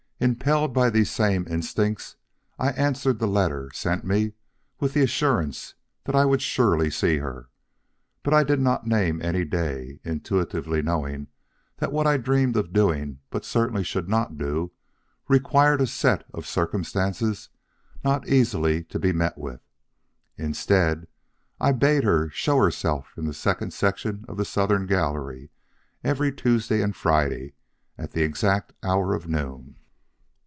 Impelled by these same instincts, I answered the letter sent me with the assurance that I would surely see her, but I did not name any day, intuitively knowing that what I dreamed of doing but certainly should not do required a certain set of circumstances not easily to be met with. Instead, I bade her show herself in the second section of the southern gallery, every Tuesday and Friday at the exact hour of noon.